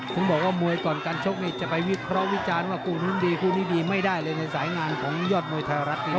แค่บอกตอนชกผมจะไปวิจารณ์ว่าคู่หนึ่งดีไม่ได้เลยในสายงานเขา